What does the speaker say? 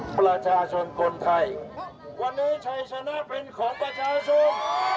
วันนี้ชัยสนับเป็นของประชาชน